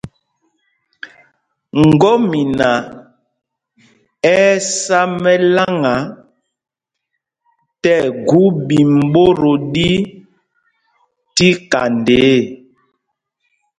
Ŋgɔ́mina ɛ́ ɛ́ sá mɛláŋa tí ɛgu ɓīm ɓot o ɗi tí kanda ê.